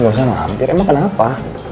nggak usah mampir emang kenapa